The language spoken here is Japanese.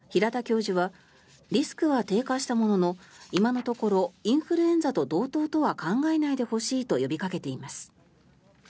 平田教授はリスクは低下したものの今のところインフルエンザと同等とは考えないでほしいと呼びかけています。